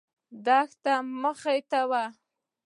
دښته مخې ته وه.